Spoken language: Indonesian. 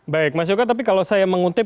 baik mas yoga tapi kalau saya mengutip